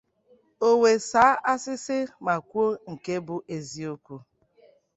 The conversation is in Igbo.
o wee sàá asịsị ma kwuo nke bụ eziokwu